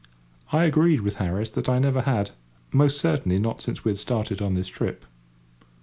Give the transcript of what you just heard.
I agreed with Harris that I never had—most certainly not since we had started on this trip.